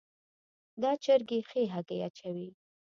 دا چرګي ښي هګۍ اچوي